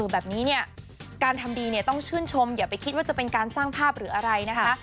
แบบนี้เนี่ยการทำดีเนี่ยต้องชื่นชมอย่าไปคิดว่าจะเป็นการสร้างภาพหรืออะไรนะคะ